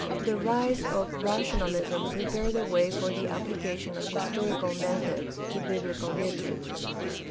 / The rise of rationalism prepared the way for the applica tion of historical methods to biblical literature.